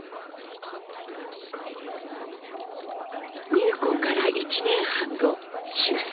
入校から１年半後終戦。